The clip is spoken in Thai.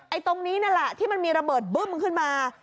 ตรงนี้นั่นแหละที่มันมีระเบิดบึ้มขึ้นมา